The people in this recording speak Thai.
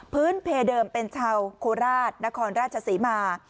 เพเดิมเป็นชาวโคราชนครราชศรีมา